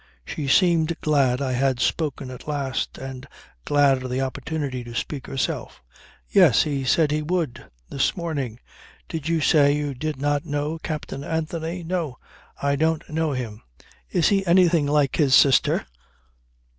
She seemed glad I had spoken at last and glad of the opportunity to speak herself. "Yes. He said he would this morning. Did you say you did not know Captain Anthony?" "No. I don't know him. Is he anything like his sister?"